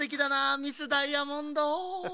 ミス・ダイヤモンド。